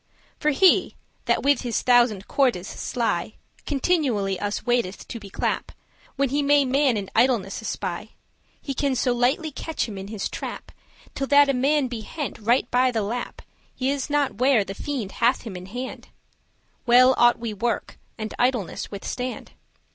* *seize For he, that with his thousand cordes sly Continually us waiteth to beclap,* *entangle, bind When he may man in idleness espy, He can so lightly catch him in his trap, Till that a man be hent* right by the lappe, *seize hem He is not ware the fiend hath him in hand; Well ought we work, and idleness withstand.